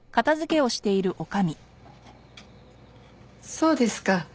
そうですか。